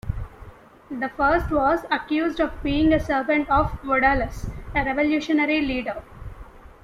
The first was accused of being a servant of Vodalus, a revolutionary leader.